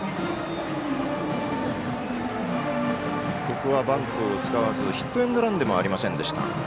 ここはバントを使わずヒットエンドランでもありませんでした。